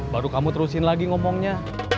baru kamu terusin lagi ngomongnya